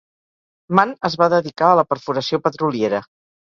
Mann es va dedicar a la perforació petroliera.